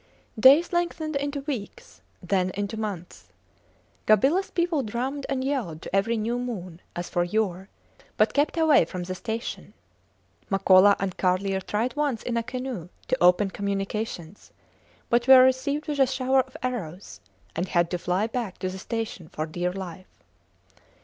Days lengthened into weeks, then into months. Gobilas people drummed and yelled to every new moon, as of yore, but kept away from the station. Makola and Carlier tried once in a canoe to open communications, but were received with a shower of arrows, and had to fly back to the station for dear life.